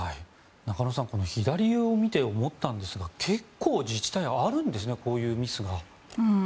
中野さん左を見て思ったんですが結構、自治体あるんですねこういうミスが。